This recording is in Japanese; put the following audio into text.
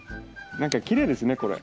何かきれいですねこれ。